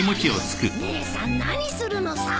姉さん何するのさ。